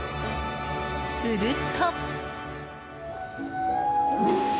すると。